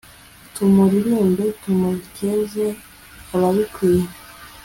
tumuririmbe, tumukeze arabikwiye